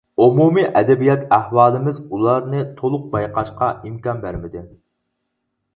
ئومۇمىي ئەدەبىيات ئەھۋالىمىز ئۇلارنى تولۇق بايقاشقا ئىمكان بەرمىدى.